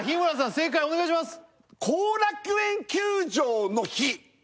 正解お願いします